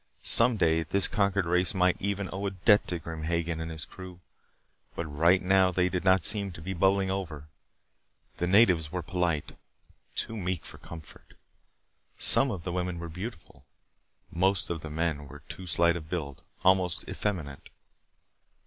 Some day this conquered race might even owe a debt to Grim Hagen and his crew. But right now they did not seem to be bubbling over. The natives were polite too meek for comfort. Some of the women were beautiful; most of the men were too slight of build, almost effeminate.